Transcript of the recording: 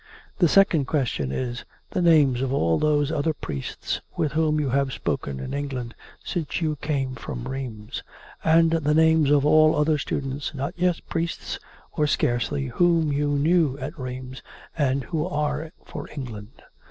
" The second question is, the names of all those other priests with whom you have spoken in England, since you came from Rheims; and the names of all other students, not yet priests, or scarcely, whom you knew at Rheims, and who are for England.